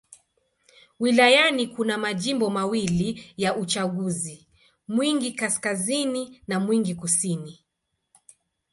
Wilayani kuna majimbo mawili ya uchaguzi: Mwingi Kaskazini na Mwingi Kusini.